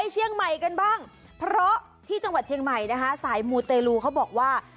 เชียงใหม่กันบ้างเพราะที่จังหวัดเชียงใหม่นะคะสายมูเตลูเขาบอกว่า